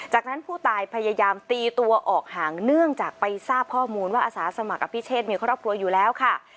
จากนั้นผู้ตายพยายามตีตัวออกห่างเนื่องจากไปทราบข้อมูลว่าอาสาสมัครอภิเชษมีครอบครัวอยู่แล้วค่ะ